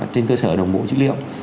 trên cơ sở đồng bộ dữ liệu